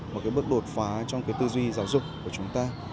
một cái bước đột phá trong cái tư duy giáo dục của chúng ta